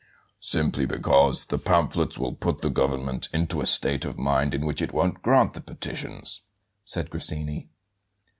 "Simply because the pamphlets will put the government into a state of mind in which it won't grant the petitions," said Grassini.